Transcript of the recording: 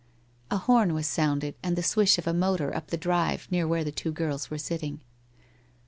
A horn was sounded, and the swish of a motor up the drive near where the two girls were sitting.